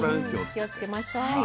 気を付けましょう。